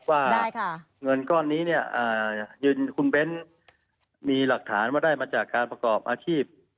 ว่าเงินก้อนนี้เนี่ยคุณเบ้นมีหลักฐานว่าได้มาจากการประกอบอาชีพ